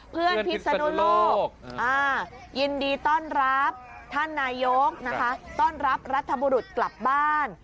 พิศนุโลกยินดีต้อนรับท่านนายกนะคะต้อนรับรัฐบุรุษกลับบ้าน